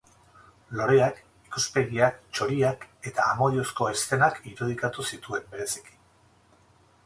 Loreak, ikuspegiak, txoriak eta amodiozko eszenak irudikatu zituen, bereziki.